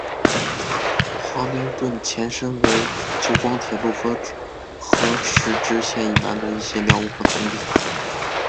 华明邨前身为九广铁路和合石支线以南的一些寮屋和农地。